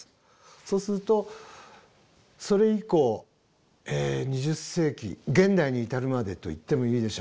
そうするとそれ以降２０世紀現代に至るまでと言ってもいいでしょう。